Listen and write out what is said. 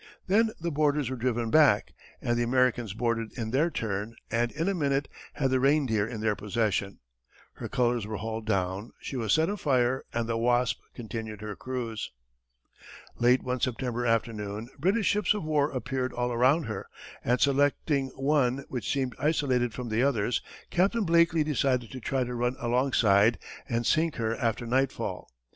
Then the boarders were driven back, and the Americans boarded in their turn, and in a minute had the Reindeer in their possession. Her colors were hauled down, she was set afire, and the Wasp continued her cruise. Late one September afternoon, British ships of war appeared all around her, and selecting one which seemed isolated from the others, Captain Blakeley decided to try to run alongside and sink her after nightfall.